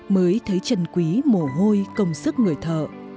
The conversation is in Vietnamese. mới thấy trần quý mổ hôi công sức người thợ